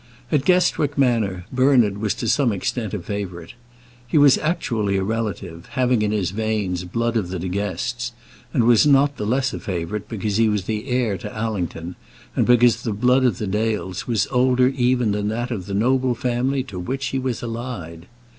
At Guestwick Manor Bernard was to some extent a favourite. He was actually a relative, having in his veins blood of the De Guests, and was not the less a favourite because he was the heir to Allington, and because the blood of the Dales was older even than that of the noble family to which he was allied.